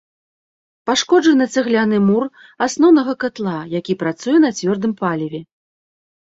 Пашкоджаны цагляны мур асноўнага катла, які працуе на цвёрдым паліве.